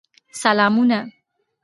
سلامونه.